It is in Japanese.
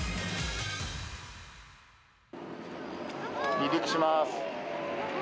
離陸します。